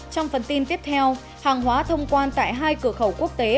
trong phần tin tiếp theo hàng hóa thông quan tại hai cửa khẩu quốc tế